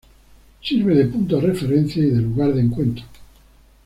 Sirve de punto de referencia y de lugar de encuentro.